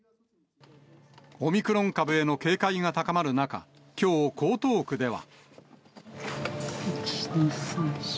オミクロン株への警戒が高まる中、きょう、江東区では。